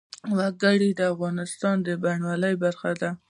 وګړي د افغانستان د بڼوالۍ برخه ده.